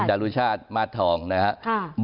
คุณจารุชาติมาทองนะครับ